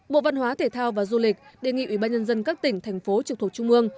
bộ văn hóa thể thao và du lịch đề nghị ủy ban nhân dân các tỉnh thành phố trực thuộc trung mương